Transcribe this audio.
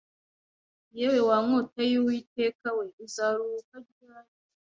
Yewe wa nkota y Uwiteka we uzaruhuka ryari